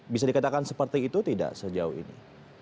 bisa dikatakan seperti itu tidak sejauh ini